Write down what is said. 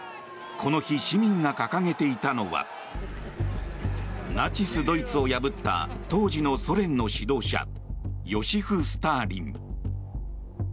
この日、市民が掲げていたのはナチスドイツを破った当時のソ連の指導者ヨシフ・スターリン。